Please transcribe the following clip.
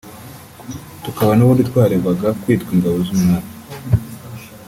tukaba n’ubundi twaregwaga kwitwa ingabo z’umwami»